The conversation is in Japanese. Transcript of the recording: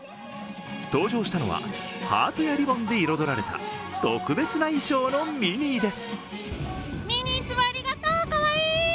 登場したのは、ハートやリボンで彩られた特別な衣装のミニーです。